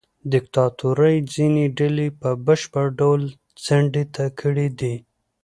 دیکتاتورۍ ځینې ډلې په بشپړ ډول څنډې ته کړې دي.